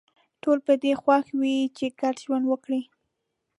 ټول په دې خوښ وي چې ګډ ژوند وکړي